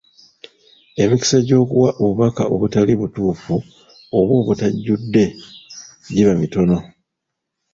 Emikisa gy’okuwa obubaka obutali butuufu oba obutajjudde giba mitono.